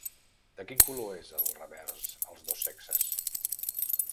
De quin color és el revers als dos sexes?